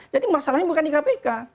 jadi masalahnya bukan di kpk